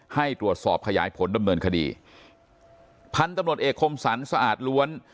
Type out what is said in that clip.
ให้ตรวจสอบขยายผลดำเนินคดีท่านธรรมดเอกคมสรรพ์ส้าห์ดล้วน